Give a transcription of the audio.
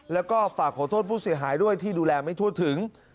แล้วก็ฝากขอโทษผู้เสียหายด้วยที่ดูแลไม่ทั่วถึง